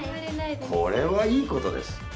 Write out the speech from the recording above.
これはいいことです。